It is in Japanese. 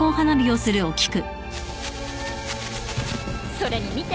それに見て。